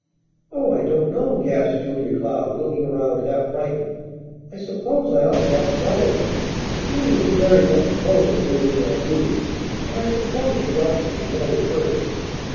"Oh, I don't know!" gasped Julia Cloud, looking around half frightened. "I suppose I ought to ask Ellen. She will be very much opposed to anything I do, but I suppose she ought to be told first."